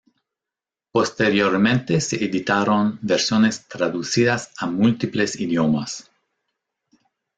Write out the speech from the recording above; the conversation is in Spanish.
Posteriormente se editaron versiones traducidas a múltiples idiomas.